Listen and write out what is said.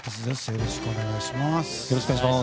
よろしくお願いします。